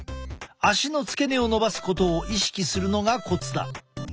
足の付け根をのばすことを意識するのがコツだ。